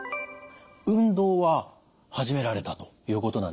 運動は始められたということなんですよね。